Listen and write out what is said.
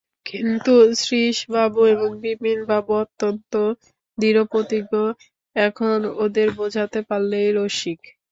কিন্তু শ্রীশবাবু এবং বিপিনবাবু অত্যন্ত দৃঢ়প্রতিজ্ঞ, এখন ওঁদের বোঝাতে পারলেই– রসিক।